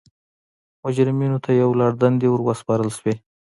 مجرمینو ته یو لړ دندې ور وسپارل شوې.